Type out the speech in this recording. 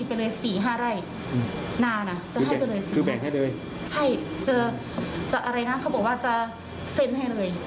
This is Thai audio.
ที่บ้านตรงก็ไปหาเรื่อย